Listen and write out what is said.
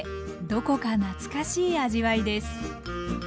どこか懐かしい味わいです。